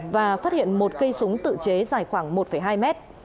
và phát hiện một cây súng tự chế dài khoảng một hai mét